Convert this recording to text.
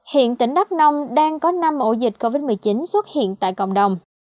hiện tỉnh đắk nông đang có năm ổ dịch covid một mươi chín xuất hiện tại cộng đồng